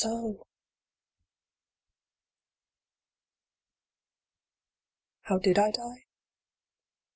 How did I die